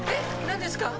何ですか？